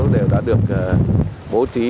đều đã được bố trí